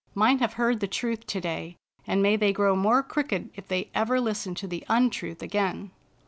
Mine have heard the truth to day, and may they grow more crooked if they ever listen to the un truth again."